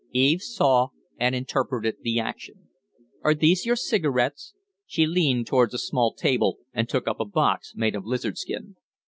Eve saw and interpreted the action. "Are these your cigarettes?" She leaned towards a small table and took up a box made of lizard skin.